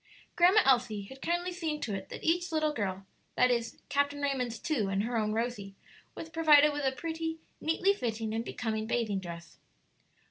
Grandma Elsie had kindly seen to it that each little girl that is, Captain Raymond's two and her own Rosie was provided with a pretty, neatly fitting, and becoming bathing dress.